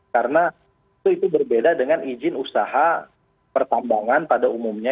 karena itu berbeda dengan ijin usaha pertambangan pada umumnya